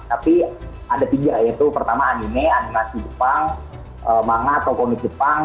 tapi ada tiga yaitu pertama anime animasi jepang manga atau konek jepang